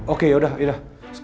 oke ya udah